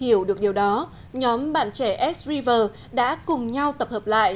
hiểu được điều đó nhóm bạn trẻ s river đã cùng nhau tập hợp lại